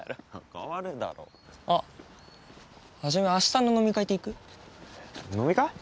変わるだろあはじめ明日の飲み会って行く？飲み会？